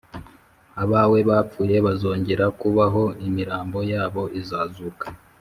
Abawe bapfuye bazongera kubaho, imirambo yabo izazuka.